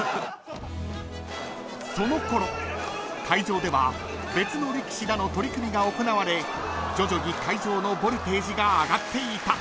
［そのころ会場では別の力士らの取組が行われ徐々に会場のボルテージが上がっていた］